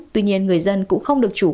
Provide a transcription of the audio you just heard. tuy nhiên người dân cũng không được nhận được